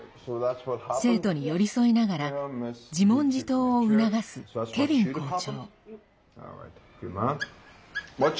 生徒に寄り添いながら自問自答を促すケヴィン校長。